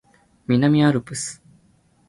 南アルプス